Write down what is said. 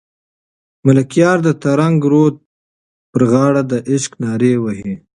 ملکیار د ترنګ رود په غاړه د عشق نارې وهي.